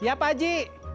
ya pak ji